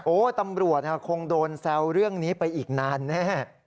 ตำรวจคงโดนแซวเรื่องนี้ไปอีกนานแน่